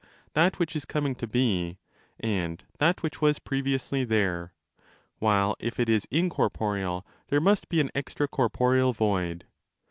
that which is coming to be and that which was previously there, 20 while if it is incorporeal, there must be an extra corporeal void.